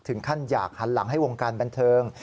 ท่านอยากหันหลังให้วงการบันเทิง